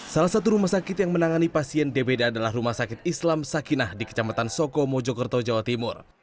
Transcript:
salah satu rumah sakit yang menangani pasien dbd adalah rumah sakit islam sakinah di kecamatan soko mojokerto jawa timur